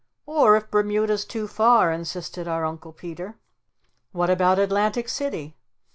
"Or if Bermuda's too far," insisted our Uncle Peter. "What about Atlantic City?